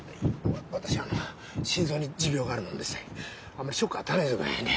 私あの心臓に持病があるもんでしてあんまりショックを与えないで下さいね。